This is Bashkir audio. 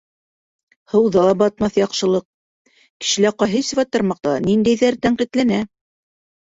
Һыуҙа ла батмаҫ яҡшылыҡ, Кешелә ҡайһы сифаттар маҡтала, ниндәйҙәре тәнҡитләнә?